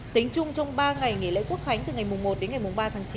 tính chung trong ba ngày nghỉ lễ quốc khánh từ ngày một đến ngày ba tháng chín